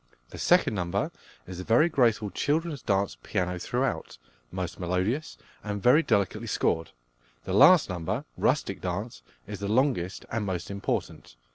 The second number is a very graceful "Children's Dance," piano throughout, most melodious, and very delicately scored. The last number, "Rustic Dance," is the longest and most important.